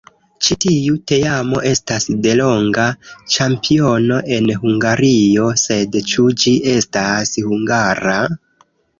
Ĉi tiu teamo estas delonga ĉampiono en Hungario, sed ĉu ĝi estas hungara?